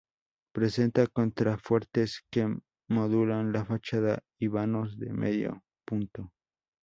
Presenta contrafuertes que modulan la fachada y vanos de medio punto.